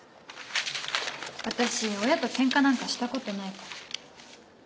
私親とケンカなんかしたことないから。